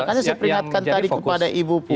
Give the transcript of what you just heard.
bahkan saya peringatkan tadi kepada ibu putri